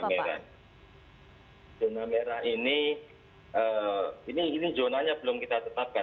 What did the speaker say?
zona merah ini zonanya belum kita tetapkan